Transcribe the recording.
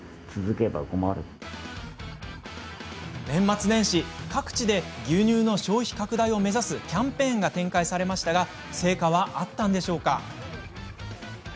年末年始、各地で牛乳の消費拡大を目指すキャンペーンが展開されましたが成果はあったのでしょうか？